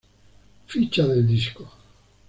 Ficha del disco